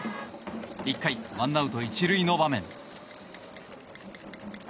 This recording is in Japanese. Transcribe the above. １回、１アウト１塁の場面。